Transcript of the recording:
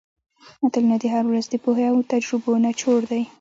متلونه د ولس د پوهې او تجربو نچوړ دي